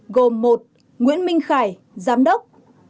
nguyễn minh khải giám đốc